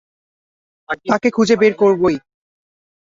তাকে খুঁজে বের করবই।